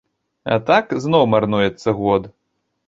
А так, зноў марнуецца год.